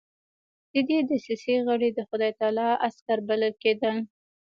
د دې دسیسې غړي د خدای تعالی عسکر بلل کېدل.